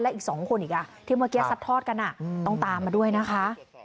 อีก๒คนอีกที่เมื่อกี้ซัดทอดกันต้องตามมาด้วยนะคะ